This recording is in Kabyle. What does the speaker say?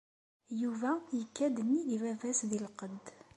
Yuba ikka-d nnig baba-s di lqedd.